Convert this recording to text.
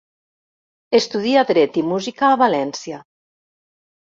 Estudià dret i música a València.